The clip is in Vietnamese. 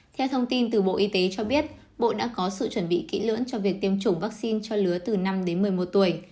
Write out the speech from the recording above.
theo thông tin từ bộ y tế cho biết bộ đã có sự chuẩn bị kỹ lưỡng cho việc tiêm chủng vaccine cho lứa từ năm đến một mươi một tuổi